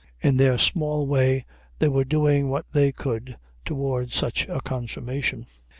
In their small way they were doing what they could toward such a consummation.